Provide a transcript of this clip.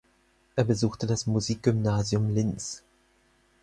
Er besuchte das Musikgymnasium Linz.